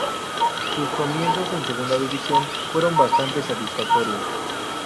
Sus comienzos en segunda división fueron bastante satisfactorios.